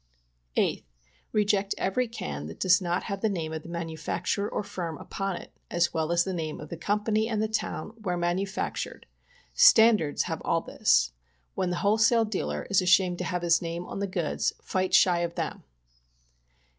8th. Reject every can that does not have the name of the manufacturer or firm upon it as well as the name of the company and the town where manufactured, " standards " have all this. When the wholesale dealer is ashamed to have his name on the goods, fight shy of them.